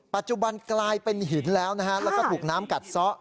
ปัจจุบันกลายเป็นหินแล้วนะครับแล้วก็ถูกน้ำกัดซ้อ